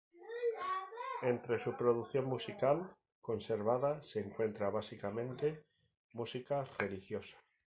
Entre su producción musical conservada se encuentra, básicamente, música religiosa.